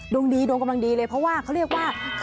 ดวงดีดวงกำลังดีเลยเพราะว่าเขาเรียกว่า